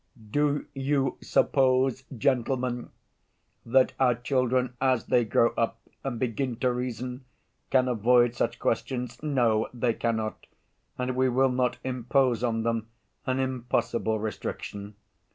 "Do you suppose, gentlemen, that our children as they grow up and begin to reason can avoid such questions? No, they cannot, and we will not impose on them an impossible restriction.